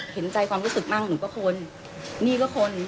เห็นใจความรู้สึกมั่งหนูก็คนนี่ก็คน